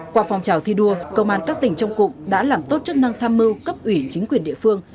qua phong trào thi đua công an các tỉnh trong cụm đã làm tốt chức năng tham mưu cấp ủy chính quyền địa phương